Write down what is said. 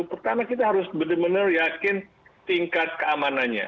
pertama kita harus benar benar yakin tingkat keamanannya